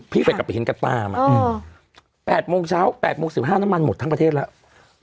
พี่ไปกลับไปเห็นกัดตามอ่ะแปดโมงเช้าแปดโมงสิบห้าน้ำมันหมดทั้งประเทศแล้ว